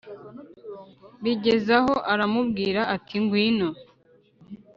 bigezaho aramubwira ati ngwino